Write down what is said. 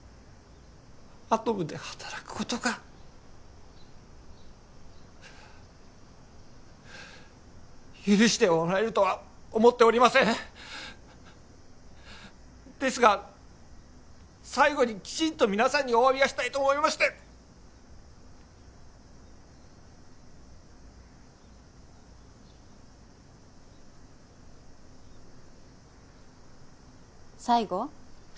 アトムで働くことが許してもらえるとは思っておりませんですが最後にきちんと皆さんにお詫びがしたいと思いまして最後？